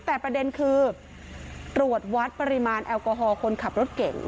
แต่ประเด็นคือตรวจวัดปริมาณแอลกอฮอล์คนขับรถเก่ง